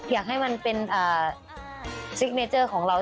อยากให้มันเป็นซิกเนเจอร์ของเรา